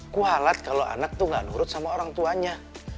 kuhalat kalau anak tuh gak nurut sama orang tuanya